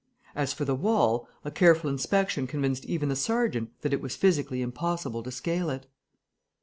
As for the wall, a careful inspection convinced even the sergeant that it was physically impossible to scale it.